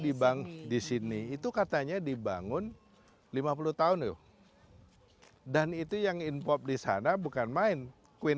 di bank di sini itu katanya dibangun lima puluh tahun loh dan itu yang in pop di sana bukan main queen